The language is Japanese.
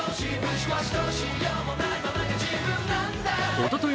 おととい